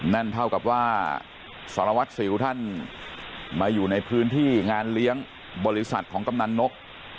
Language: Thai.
นั่นเท่ากับว่าสารวัตรสิวท่านมาอยู่ในพื้นที่งานเลี้ยงบริษัทของกำนันนก